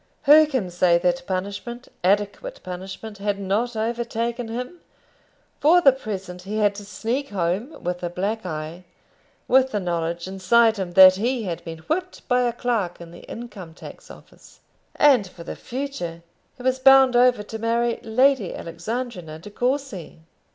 Who can say that punishment adequate punishment had not overtaken him? For the present, he had to sneak home with a black eye, with the knowledge inside him that he had been whipped by a clerk in the Income tax Office; and for the future he was bound over to marry Lady Alexandrina De Courcy!